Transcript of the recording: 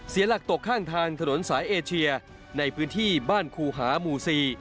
เสียหลักตกข้างทางถนนสายเอเชียในพื้นที่บ้านครูหาหมู่๔